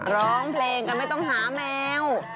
ร้องเพลงกันไม่ต้องหาแมว